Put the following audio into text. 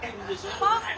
パパ！